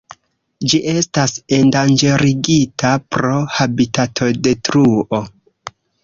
Ĝi estas endanĝerigita pro habitatodetruo.